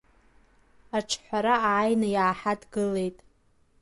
Аҿҳәара ааины иааҳадгылеит.